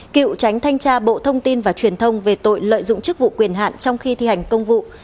cựu tránh thanh tra bộ thông tin và truyền thông về tội lợi dụng chức vụ quyền hạn trong khi thi hành công vụ